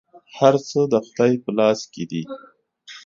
هر څه د خدای په لاس کې دي.